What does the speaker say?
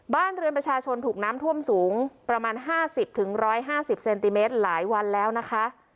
บ้านเรือนประชาชนถูกน้ำท่วมสูงประมาณ๕๐๑๕๐เซนติเมตรหลายวันแล้วนะคะ